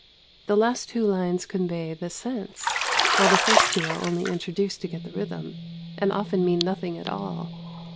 The last two lines convey the sense, while the first two are only introduced to get the rhythm, and often mean nothing at all.